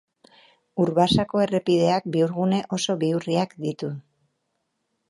Urbasako errepideak bihurgune oso bihurriak ditu.